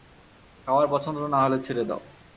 খাবার পছন্দ না হলে ছেড়ে দাও।